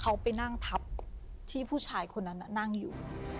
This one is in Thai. เขาไปนั่งทับที่ผู้ชายคนนั้นนั่งอยู่